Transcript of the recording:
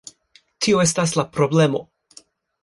Tio estas la problemo